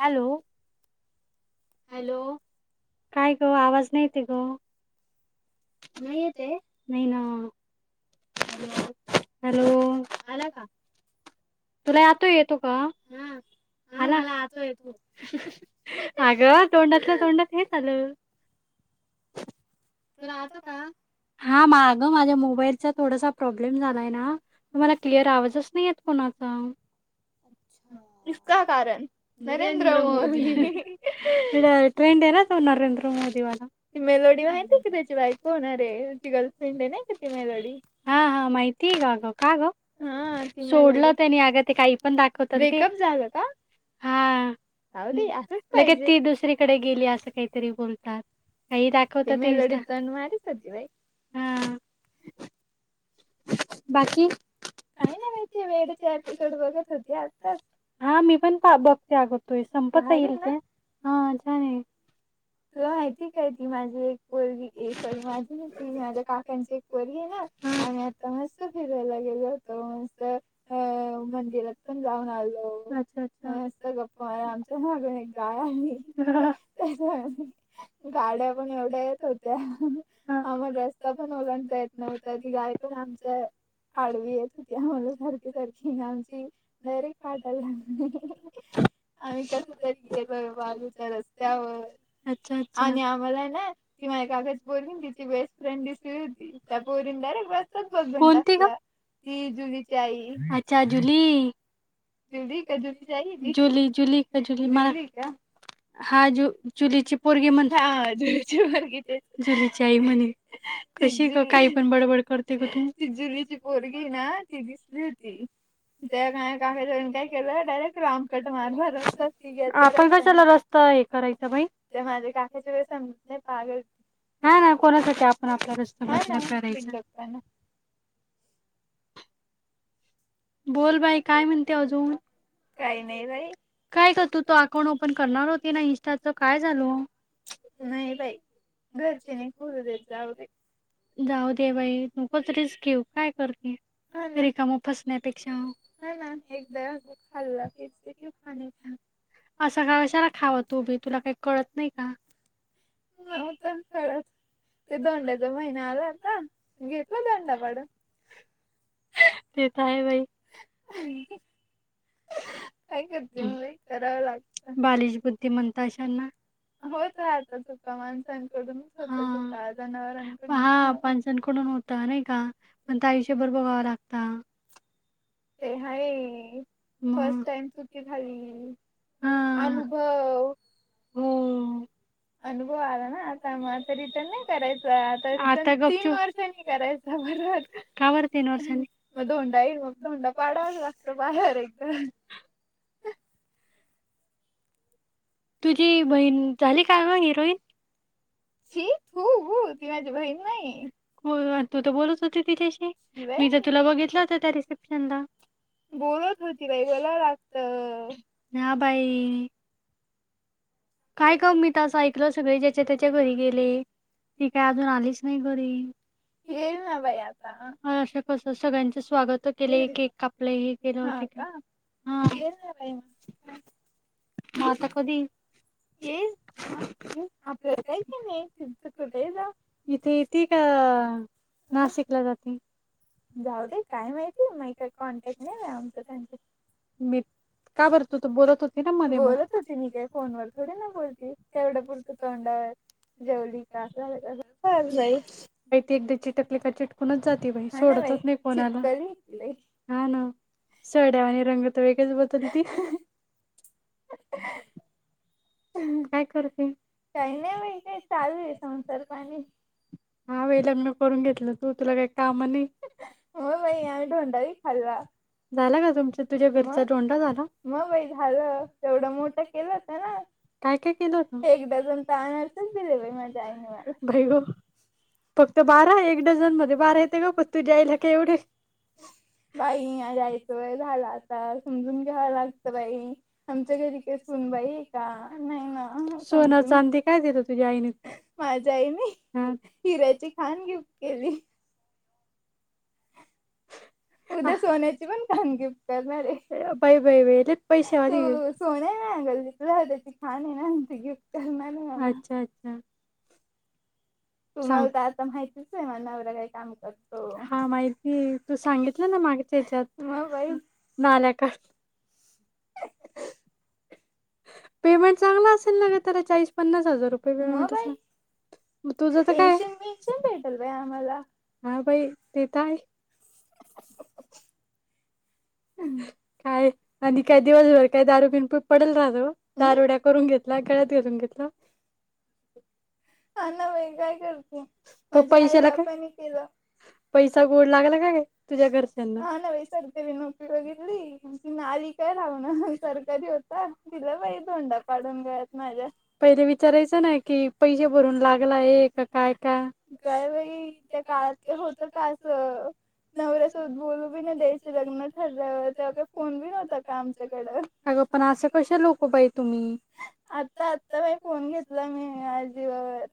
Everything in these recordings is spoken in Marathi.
हॅलो. हॅलो काय ग, आवाज नाही येतये ग? नाही येतये? नाही ना हॅलो, हॅलो आला का? तुला आत येतो का? हा मला ना आता येतो. अगं तोंडातल्या तोंडात हेच आल [unintelligible] तुला आतो का? हा मागं माझ्या मोबाईलचा थोडासा प्रॉब्लेम झालाय ना, तुम्हाला क्लिअर आवाजच नाही येत कोणा चा इसका कारण नरेंद्र मोदी तर ट्रेंड आहे ना, तो नरेंद्र मोदीवाला मेलोडी माहित आहे का. त्याची बायको होणार ये. ती गर्लफ्रेंड आहे नाही का ती मेलेडी हा हा माहितीये का का ग सोडला त्यानी अग ते काही पण दाखवतात, ब्रेकअप झालं का? हम्म जाऊदे, असंच पाहिजे ती दुसरीकडे गेली असं काहीतरी बोलतात काहीही दाखवतात, ते तुमच्याकडे सण वारीच होते व्हय [unintelligible] बाकी, काही नाही नाहीं बाई, ती वेडचे एपिसोड बघत होते आताच हा मी पण बघते अग तो संपत येईल ते छान आहे. तुला माहिती काय ती माझी एक पोरगी ए सॉरी माझी ती माझ्या काकांची एक पोरगी आहे ना आणि मस्त फिरायला गेलो होतो. मस्त अ मंदिरात पण जाऊन आलो. अच्छा-अच्छा गप्पा मला आमच्या [inaudible] गाड्या पण एवढ्या येत होत्या, मग रस्ता पण ओलांडता येत नव्हता ती गाडी पण आमच्या आडवी येते त्यामुळे सारख सारख आमची डारेक्ट [unintelligible] आम्ही [unintelligible] रस्त्यावर अच्छा अच्छा आणि आम्हाला हे ना ती [unintelligible] [unintelligible] बेस्ट फ्रेंड दिसली होती. त्या पोरीने डायरेक्ट [unintelligible] [unintelligible] कोणती ग, ज्युलिची आई, अच्छा जुली. जूली का जुली ची आई, जुली-जुली का जुली. हा ज्यू ज्यूलीची पोरगी म्हण, जुलीची पोरगी ते जुलीची आई म्हणे. कशी ग काही पण बडबड करत. ते ग तू ती ज्युलिची पोरगी हे ना, ती दिसली होती त्या काय काय केलं, डायरेक्ट लामकट मारला रस्ताच आपण पन कशाला रस्ता हे करायचा बाई. ते माझ्या काकाच्या वेळे [unintelligible] पागल. हा ना कोणासाठी आपण आपला रस्ता वाकडा करायचा. [unintelligible] बोल बाई काय म्हणते अजून? काही नाही बाई, काय ग, तू तो अकाउंट ओपन करणार होती ना इंस्टाच काय झालो. नाही बाई घरचे नाही खोलू देत जाऊ दे. जाऊ दे बाई, नकोच रिस्क घेऊ काय करते रिकामा बस. त्यापेक्षा ना एकदा [unintelligible] असं काशाला खाव तू भी, तुला काही कळत नाही का. [unintelligible] ते धोंड्याचा महिना आला होता, घेतला धोंडा पाडून. [unintelligible] काय बाई [inaudible] काय करते म बाई, कराव लागत, बालिश बुद्धी म्हणता अशांना. होत राहता चुका माणसांकडून, जनावर आहे माणसांकडून [inaudible] होता नाही का. पण त्या आयुष्यभर भोगावा लागता. ते हाय. फर्स्ट टाईम चुकी झाली, अनुभव. हम [unintelligible] अनुभव आला ना आता मग आता रिटर्न नाही करायचं आता आता गपचूप आता तीन वर्षांनी करायच [unintelligible] का बरं तीन वर्षांनी मग दोन [unintelligible] मग धोंडा पाडावाचं लागत बाहेर एक [unintelligible] तुझी बहीण झाली का ग हिरोईन. छी थु ऊ ती माझी बहीण नाही [unintelligible] तू तर बोलत होती तिच्याशी मी तर तुला बघितलं होत त्या रिसेप्शन ला. बोलत होती बाई बोलावं लागत हा बाई. काय ग मी तर असं ऐकलं सगळे ज्याच्या त्याच्या घरी गेले. ती काय अजून आलीच नाही घरी. येईल ना बाई आता असं कसं सगळ्यांचे स्वागत केले केक कापले हे केलं [unintelligible] हा आता कधी येईन येईल. आपल्याला काय घेणं हाई नाही [unintelligible] कुठेही आहे जाओ इथे येती का नाशिकला जाती. जाऊ दे काय माहिती आहे [unintelligible] कॉन्टॅक्ट नाही आहे आमचं त्यांच मी काबर तू तर बोलत होती ना मध्ये मधे बोलत होते मी त्या फोनवर. थोडी ना बोलती तेवढं पुरतं तोंडावर. जेवली का [unintelligible] बाई एकदा चिटकले का चिटकूनच जाते बा सोड. त चिपकली हाय ती. हा ना सरड्या वाणी रंग तर वेगळेच बदलती. [inaudible] काय करते काय नाही बय काय चालू आहे संसार पाणी. हा वे लग्न करून घेतलं तू तुला काही काम नाही हो बाई आम्ही धोंडाबी खाल्ला. झाला का तुमच्या तुझ्या घरचा तोंडा झाला मग बाई झालं तेवढं मोठं केलं होत ना. काय काय केलं होत एक डझन तर आणारशेच दिले बाई माझ्या आई ने मला बाई ग. फक्त बारा एक डझन मध्ये बारा येते मग तूझ्या आईला का एवढे. ह. बाई माझ्या आईच वय झाल आता. तर समजून घ्याव लागतं. बाई आमच्या घरी का सून बाई य का नाही. सोन-चांदीे काय दिलं तुझ्या आईने, माझ्या आईने हिरा्याची खाण घेऊ केली. [unintelligible] उद्या सोन्याची पण खाण गिफ्ट करणार आहे. बाई-बाई-बाई लयच पैशावाली ग. हा गली त्याची खाणी हायणा ती गिफ्ट करणारय मला आच्छा आच्छा. आता माहितीच आहे हा नवरा काय काम करतो हा माहिती तू सांगितलं ना म. सांग त्याच्यात मा बाई नाल्याका. [unintelligible] पेमेंट चांगला असेल ना ग त्याला, चाळीस-पन्नास हजार रुपये पेमेंट असेल, म बाई. तुझं तर काय, पेन्शन-बेन्सिन भेटेल बाई आम्हाला. हा बाई ते तर आहे. [unintelligible] काय, आणि काय दिवसभर काय दारू पीउन पडेल राहतो का, दारुड्या करून घेतला. गळत घालुन घेतला. अ. [unintelligible] ह ना बाई काय करते, पैशाला काय, माझ्या आई बापाणी केल. पैसा गोड लागला काय तुझा घरच्यांना, ह ना बाई करते मी नोकरी बघितली ती नाली काय लावण सरकारी होता तिला बाई दोंडा पाडून गळ्यात. माझ्या, पैले विचारायच ना की पैशे भरून लागलाये का काय का. बाई त्या काळात होत का अस नवऱ्या सोबत बोलू बी नाही दयायचे लग्न हॅलो तुया काय फोन बीन व्हता का आमच्याकड आग पण असं कशे लोक बाई तुम्ही. आता आता बाई फोन घेतला मी माज्या जीवर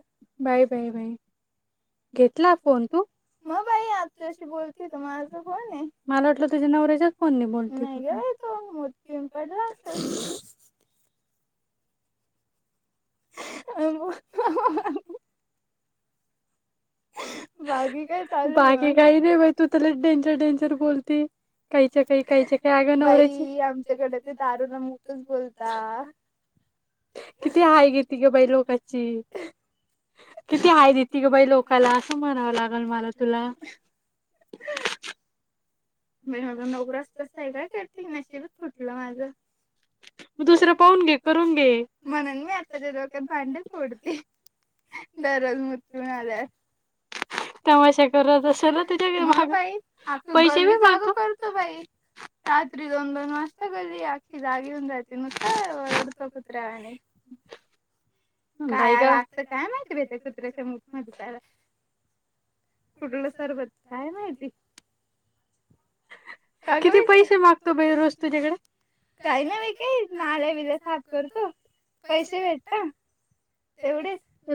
बाय, बाय बाई. [unintelligible] घेतला फोन तू मग बाई आता तुझ्या शी बोलती तो माझ फोन हाय मला वाटलं तुझ्या नवऱ्या कोन बोलत, नाही ग तो मूत पीउन पडला असाल. आ म. बाकी काय चालय मग, बाकी काय नाही बाई तू तर लय डेंचर डेंजर बोलती. काहीच्या काही, काहीच्या काही, आग नवऱ्याची, बाई आमच्याकडे ते दारुला मुतच बोलता. किती हाय घेती ग बाई लोकची किती हाय देती ग बाई लोक कला असं म्हणावं लागेल मला तुला. म्ह आग नवराच तसा आहे, काय करती, नशिबच फुटलं माझं. मग दुसरं पाहून घे करून घे म्हणून मी आत्ता त्याच्या डोक्यात भांडेच फोडते. दररोज मूत पीउन आल्यावर. तमाशा करत असे ना त्याच्याक, हा बाई आपली पैसे ब नाटक करतो बाई रात्री दोन दोन वाजता घरी याच अख्खी जागी होऊन जाते ओरडतो कुत्र्या वाणी. काय लागत, काय माहिती बाई, त्या कुत्र्याच्या मूत मधी काय लागत. कुठलं सरबत काय माहिती? [unintelligible] किती पैसे मागतो बाई रोज तुझ्याकडे. काही ना मी काही नाल्या विल्या साफ करतो पैसे भेटता. तेवढ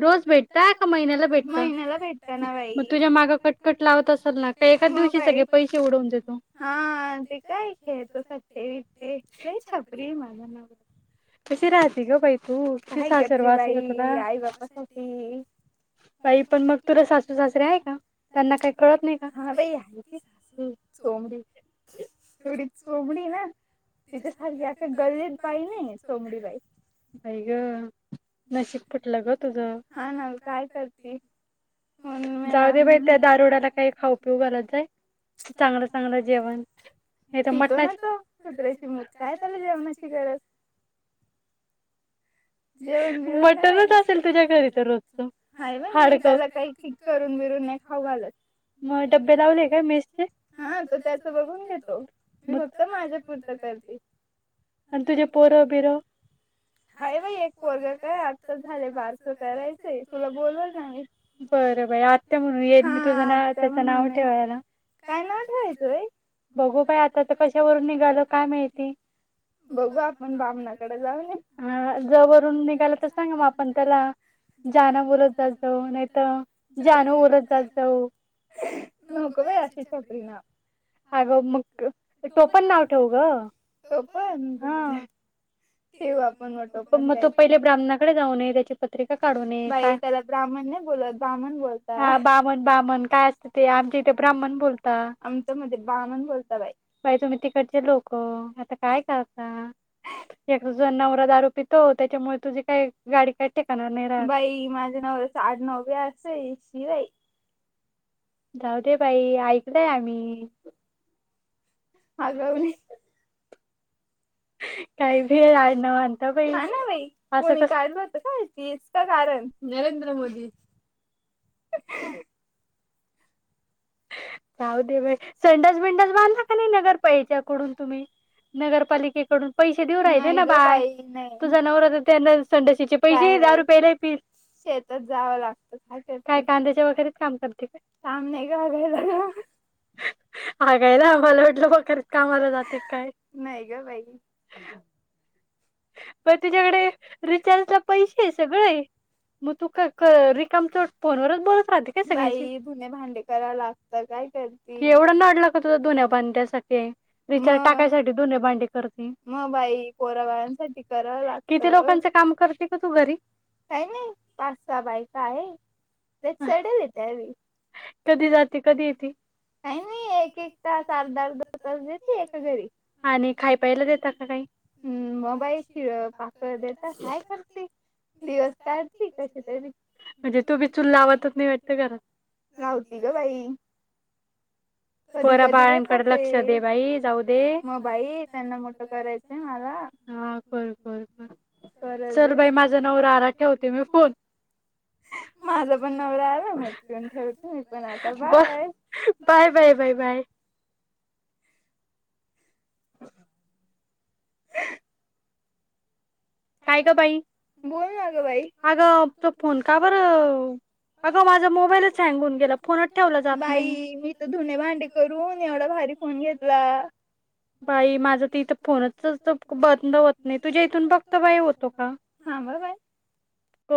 रोज भेटता का महिन्याला भेटता माहीन्याला भेटता णा बाई मग तुझ्या माग कटकट लाव लावत असतालणा काय एका दिवशी सगळे पैसे उघडुन देतो हा ते काय खेळतो सटे बिटे खेळ छपरी हाय माझा नावरा. ह. [unintelligible] कशी राहते ग बाई तू किती सासर वास आहे तुला आई बापासाठी बाई पण मग तुला सासू सासरे आहे का त्यांना काही कळत नाही का हा बाई आहे. चोमडी थोडी चोमडी आहे ना तिच्यासारखी आता गल्लीत बाई नाही चोमडी बाई बाई ग नशीब फुटलं ग तुझं हा ना काय करते. म्हणून मी जाऊ दे बाई त्या दारुडाला काही खाऊ पिऊ घालत जाय. चांगलं चांगलं जेवण हे तर मटणाची कुत्र्याची [unintelligible] त्याला जेवणाची गरज [inaudible] मटनच असेल तुझ्या घरी तर रोजच नाही बाई हाड करून फिरून नाही खाऊ घालत मग डबे लावले काय मेसचे? हा तो त्याच बघून घेतो मी फक्त माझ्या पुुरतं करते. आणि तुझ्या पोरं बिर आहेत. एक पोरग ग आता झालय बारसं करायचंय तुला बोलवल ना मी बर बाई आत्या म्हणून येईल तुझं नाव त्याच नाव ठेवायला. काय नाव ठेवायचं बाई बघू काय आता तर कशावरून निघाल काय माहिती बघू आपण बामणाकडे जाऊन येवू. ज वरून निघाल तर सांग म आपण त्याला जाण बोलत जायच नाहीत. चानू उरत जात जाऊ. नको बाई आर्ची [unintelligible] होईना. अगं मग टोपण नाव ठेवू ग टोपण हा. ठेवू आपण मग टोप मग तो पहिले ब्राहमणाकडे जाऊ नये त्याची पत्रिका काढूून ये त्याला ब्राह्मण नाही बोलत ब्राह्मण बोलत हा बामन बामण काय असतं ते आमच्या इथे ब्राह्मण बोलता आमच्या मध्ये बामण बोलता बाई बाई तुम्ही तिकडचे लोक आता काय करता. ये तुझा नवरा दारू पि तो त्याच्यामुळे तुझी काय गाडी काय ठिकाणावर नाही राहत बाई माझ्या नवऱ्याच आडनाव बी अस हाय. [unintelligible] [inaudible] जाऊ दे बाई ऐकलय आम्ही. हागवणे काहीभी आडनाव आणता बाई हा ना बाई असं कस [unintelligible] कारण नरेंद्र मोदी. [inaudible] [inaudible] जाऊ दे बाई संडास बिंडास बांधला का नाही नगर ह्याच्याकडून तुम्ही नगरपालिके कडून पैसे देऊ राहिले ना बाई नाही तुझा नवरा तर त्यांना संडाशीचे पैसे दारू प्यायला [unintelligible] शेतच जावं लागतं काय कांद्याच्या वगैरेच काम करते का काम नाही ग हगायला. [inaudible] हगायला मला वाटलं कुठे तरी कामाला जाते की काय नाही ग बाई पण तुझ्याकडे रिचार्जला पैसे आहे सगळं आहे. मग तू का क रिकामचोट फोनवरच बोलत राहते काय सगळ्यांशी बाई धुणे भांडे करायला लागत काय ठीक आहे की एवढं नडल का तुझं धुन्या भांड्यासाठी रिचार्ज टाकायसाठी धुन भांडी करती. मग बाई पोराबाळांसाठी कराव लागत. किती लोकांचं काम करते ग तू घरी? काय नाही पाच सहा बायका आहे. [unintelligible] कधी जाती कधी येती? काही नाही एक एक तास अर्धा अर्धा तास देते एका घरी. आणि खाय प्यायला देतात का काही? [unintelligible] शिळ पाक देेतात काय करती. दिवस काढते कसेतरी. म्हणजे तू बि चूल लावतच नाही वाटत घरात. लावती ग बाई. [inaudible] पोरा-बाळांकडे लक्ष दे बाई जाऊ दे. म बाई त्यांना मोठं करायचंय मला. हा कर कर कर. [unintelligible] चल बाई माझा नवरा आला ठेवते मी फोन. माझा पण नवरा आला [unintelligible] ठेवते मी पण आता bye. Bye, bye. Bye, bye. [inaudible] काय ग बाई? बोल ना ग बाई. अगं तो फोन का बरं अगं माझा मोबाईलच हँग होऊन गेला फोनच ठेवला जात नाही. बाई मी तर धुने भांडे करून एवढा भा [unintelligible] फोन घेतला. बाई माझ त इथं फोनचच बंद होत नाही. तुझ्या इथून बघ. [unintelligible] होतो का? थांब ह बाई.